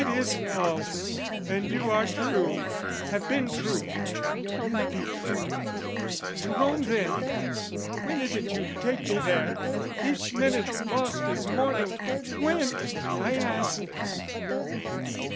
It is false, "And you are true, have been true, will be true. "To Rome then, when is it you take me there? "Each minute lost is mortal. When? I ask."